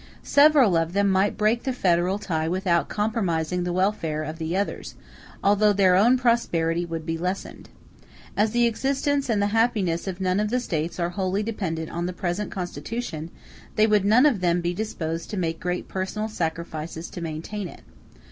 Several of them might break the federal tie without compromising the welfare of the others, although their own prosperity would be lessened. As the existence and the happiness of none of the States are wholly dependent on the present Constitution, they would none of them be disposed to make great personal sacrifices to maintain it.